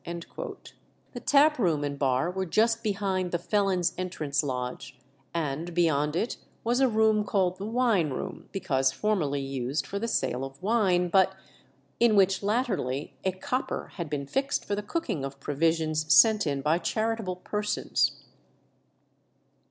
" The tap room and bar were just behind the felons' entrance lodge, and beyond it was a room called the "wine room," because formerly used for the sale of wine, but in which latterly a copper had been fixed for the cooking of provisions sent in by charitable persons.